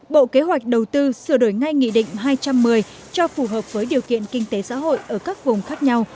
bộ kế hoạch đầu tư sửa đổi ngay nghị định hai trăm một mươi cho phù hợp với điều kiện kinh tế xã hội ở các vùng khác nhau